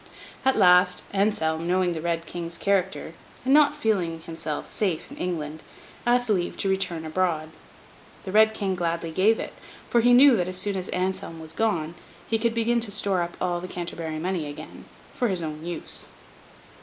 At last, Anselm, knowing the Red King's character, and not feeling himself safe in England, asked leave to return abroad. The Red King gladly gave it; for he knew that as soon as Anselm was gone, he could begin to store up all the Canterbury money again, for his own use.